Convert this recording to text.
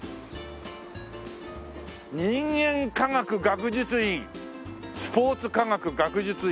「人間科学学術院スポーツ科学学術院」